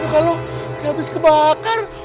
kalau habis kebakar